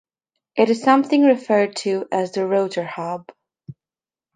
It is sometimes referred to as the rotor "hub".